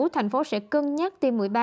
tp hcm sẽ cân nhắc tiêm mũi ba